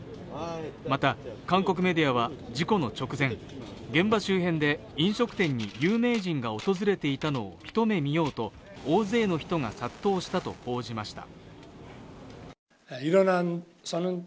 また、韓国メディアは事故の直前、現場周辺で飲食店に有名人が訪れていたのを一目見ようと大勢の人が殺到したと報じました。